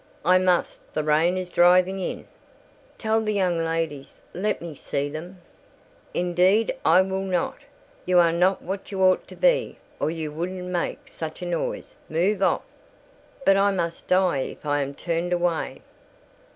"I must; the rain is driving in—" "Tell the young ladies. Let me see them—" "Indeed, I will not. You are not what you ought to be, or you wouldn't make such a noise. Move off." "But I must die if I am turned away."